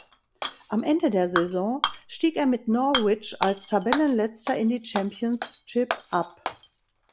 Am Ende der Saison stieg er mit Norwich als Tabellenletzter in die Championship ab.